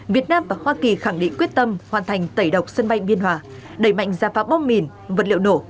việt nam và hoa kỳ khẳng định quyết tâm hoàn thành tẩy độc sân bay biên hòa đẩy mạnh gia pháp bóp mìn vật liệu nổ